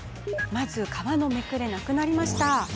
まず、皮のめくれがなくなりました。